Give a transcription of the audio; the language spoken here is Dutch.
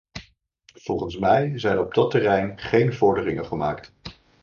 Volgens mij zijn op dat terrein geen vorderingen gemaakt.